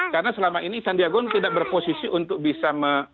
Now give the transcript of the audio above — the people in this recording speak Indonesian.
karena selama ini sandiaga uno tidak berposisi untuk bisa